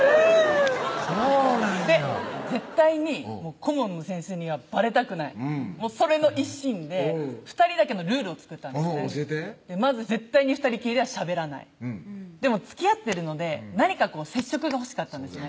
・そうなんや絶対に顧問の先生にはバレたくないそれの一心で２人だけのルールを作ったんです教えてまず絶対に２人きりではしゃべらないでもつきあってるので何かこう接触が欲しかったんですね